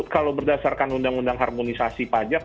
kalau berdasarkan undang undang harmonisasi pajak